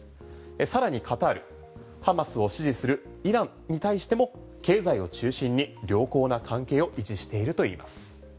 さらにカタールハマスを支持するイランに対しても経済を中心に良好な関係を維持しているといいます。